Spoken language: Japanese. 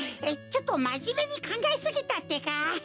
ちょっとまじめにかんがえすぎたってか。